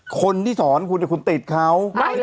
คนที่สอนคุณคุณติดเขา